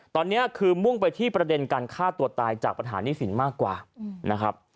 ตอนนี้คือมุ่งไปที่ประเด็นการฆ่าตัวตายจากปัญหาหนี้สินมากกว่านะครับ